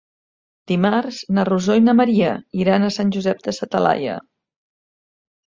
Dimarts na Rosó i na Maria iran a Sant Josep de sa Talaia.